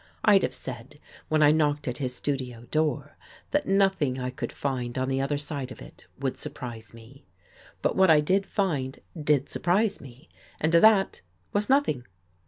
I'd have said, when I knocked at his studio door, that nothing I could find on the other side of it would surprise me. i6 THE FIRST COVERT But what I did find did surprise me, and that was nothing.